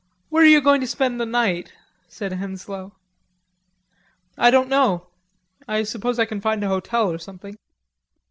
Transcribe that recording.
"Where are you going to spend the night?" said Henslowe. "I don't know.... I suppose I can find a hotel or something."